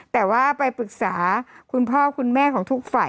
แต่ว่าไปปรึกษาคุณพ่อคุณแม่ของทุกฝ่าย